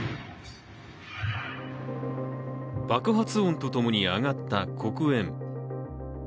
爆発音とともに上がった黒煙。